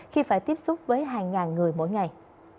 khi phải tiếp xúc với hàng ngàn người mỗi ngày